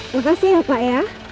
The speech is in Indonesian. makasih ya pak ya